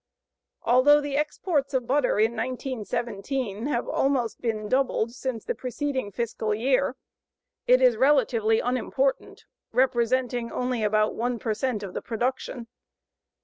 Although the exports of butter in 1917 have almost been doubled since the preceding fiscal year, it is relatively unimportant, representing only about 1 per cent of the production.